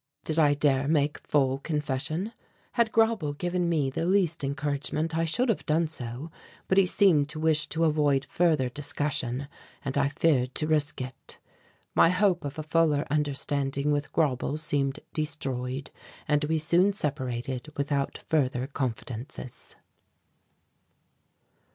Did I dare make full confession? Had Grauble given me the least encouragement I should have done so, but he seemed to wish to avoid further discussion and I feared to risk it. My hope of a fuller understanding with Grauble seemed destroyed, and we soon separated without further confidences.